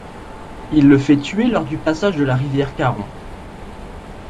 Il le fait tuer lors du passage de la rivière Carron.